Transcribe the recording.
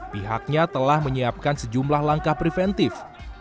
pihaknya telah menyiapkan sejumlah langkah preventif